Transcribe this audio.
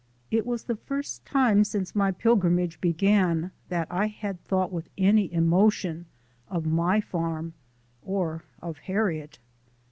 It was the first time since my pilgrimage began that I had thought with any emotion of my farm or of Harriet.